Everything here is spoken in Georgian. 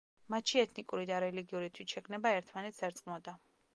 მათში ეთნიკური და რელიგიური თვითშეგნება ერთმანეთს ერწყმოდა.